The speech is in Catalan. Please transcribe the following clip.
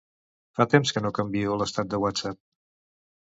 Fa temps que no canvio l'estat de Whatsapp.